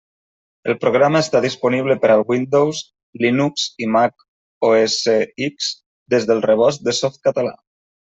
El programa està disponible per al Windows, Linux i Mac OS X des del Rebost de Softcatalà.